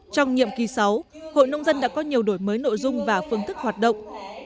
trong nhiệm kỳ sáu hội nông dân đã có nhiều đổi mới nội dung và phương thức hoạt động